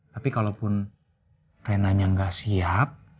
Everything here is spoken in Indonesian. tapi kalaupun renanya gak siap